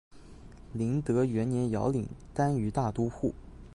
麟德元年遥领单于大都护。